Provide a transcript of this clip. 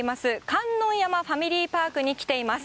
観音山ファミリーパークに来ています。